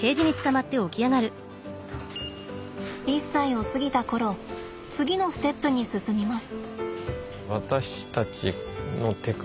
１歳を過ぎた頃次のステップに進みます。